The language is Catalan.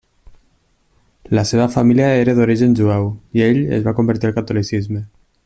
La seva família era d'origen jueu i ell es va convertir al catolicisme.